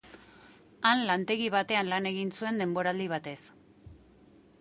Han lantegi batean lan egin zuen denboraldi batez.